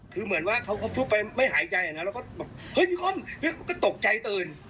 คือเหมือนว่าเขาฟุ๊บไปไม่หายใจแล้วก็พี่ค่อมก็ตกใจตื่น